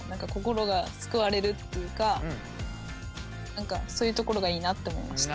何かそういうところがいいなって思いました。